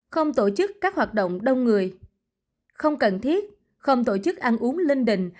không tổ chức các hoạt động đông người không cần thiết không tổ chức ăn uống linh đình